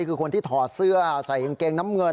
คือคนที่ถอดเสื้อใส่กางเกงน้ำเงิน